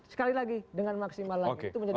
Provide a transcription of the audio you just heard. sekali lagi dengan maksimal lagi